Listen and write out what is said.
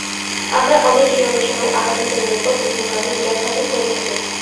আমরা অনেকেই অনেক সময় আহাদ হোসেনের ওপর বিভিন্ন কারণে বিরাগভাজন হয়ে থাকি।